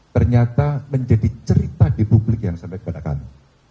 ternyata menjadi cerita di publik yang sampai kepada kami